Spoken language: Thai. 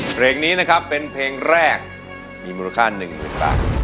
เพลงนี้นะครับเป็นเพลงแรกมีมูลค่า๑๐๐๐บาท